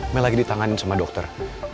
mel lagi ditanganin sama dokter